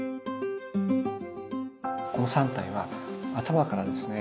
この３体は頭からですね